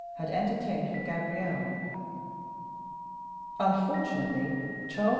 had entertained for Gabrielle. Unfortunately for Charles II.